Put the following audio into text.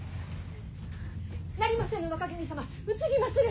なりませぬ若君様うつりまする！